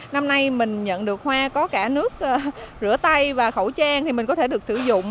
năm nay mình nhận được hoa có cả nước rửa tay và khẩu trang thì mình có thể được sử dụng